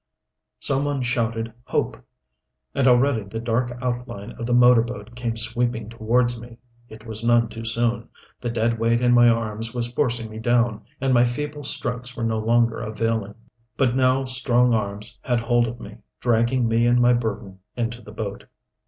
Some one shouted hope and already the dark outline of the motorboat came sweeping towards me. It was none too soon.... The dead weight in my arms was forcing me down, and my feeble strokes were no longer availing. But now strong arms had hold of me, dragging me and my burden into the boat.